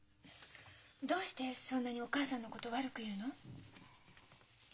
どうしてそんなにお母さんのこと悪く言うの？